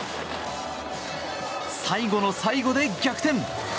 最後の最後で逆転。